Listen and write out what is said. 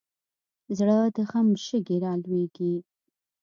زړه د غم شګې رالوېږي.